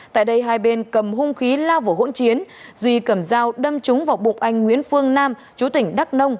tại đây hai bên cầm hung khí lao vào hỗn chiến duy cầm dao đâm trúng vào bụng anh nguyễn phương nam chú tỉnh đắk nông